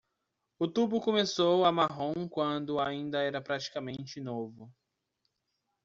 O tubo começou a marrom quando ainda era praticamente novo.